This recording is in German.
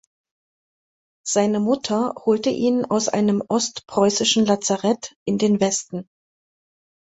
Seine Mutter holte ihn aus einem ostpreußischen Lazarett in den Westen.